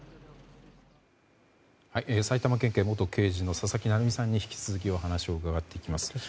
埼玉県警元刑事の佐々木成三さんに引き続きお話を伺っていきます。